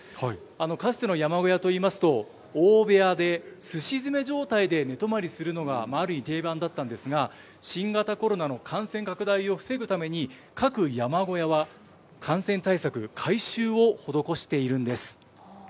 かつての山小屋といいますと、大部屋で、すし詰め状態で寝泊まりするのが、ある意味定番だったんですが、新型コロナの感染拡大を防ぐために、各山小屋は感染対策、改修を施しているんです。